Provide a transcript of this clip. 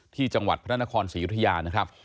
ที่จังหวัดพระนครศรียุธยานะครับ